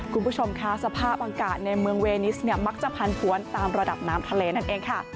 คุณผู้ชมค่ะสภาพอากาศในเมืองเวนิสเนี่ยมักจะพันธวนตามระดับน้ำทะเลนั่นเองค่ะ